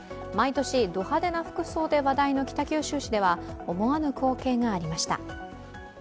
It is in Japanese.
毎年ド派手な服装で話題の北九州市では思わぬ光景がありました。